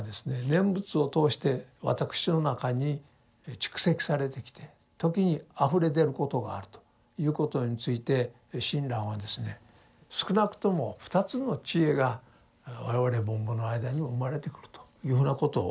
念仏を通して私の中に蓄積されてきて時にあふれ出ることがあるということについて親鸞はですね少なくとも２つの智慧が我々凡夫の間にも生まれてくるというふうなことを述べています。